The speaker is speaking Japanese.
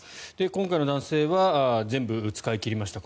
今回の男性は全部使い切りました